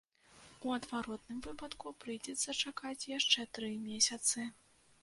У адваротным выпадку прыйдзецца чакаць яшчэ тры месяцы.